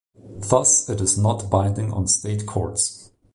Thus, it is not binding on state courts.